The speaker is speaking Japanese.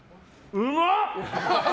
うまっ！